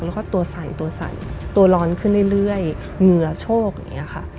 แล้วก็ตัวใสตัวใสตัวร้อนขึ้นเรื่อยเหงื่อโชคอย่างนี้ค่ะ